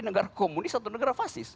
negara komunis atau negara fasis